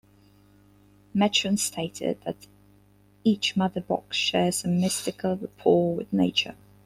Metron stated that each Mother Box shares "a mystical rapport with nature".